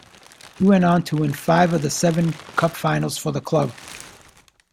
He went on to win five of seven cup finals for the club.